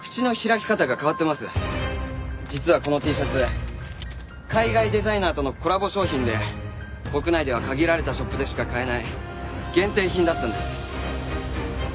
実はこのＴシャツ海外デザイナーとのコラボ商品で国内では限られたショップでしか買えない限定品だったんです。